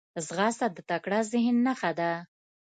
ځغاسته د تکړه ذهن نښه ده